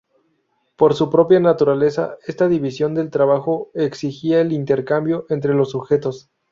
Por su propia naturaleza, esta división del trabajo exigía el intercambio entre los sujetos.